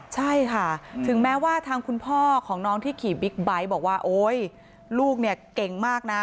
ใช่ค่ะถึงแม้ว่าทางคุณพ่อของน้องที่ขี่บิ๊กไบท์บอกว่าโอ๊ยลูกเนี่ยเก่งมากนะ